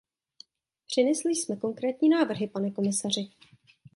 Přinesli jsme konkrétní návrhy, pane komisaři.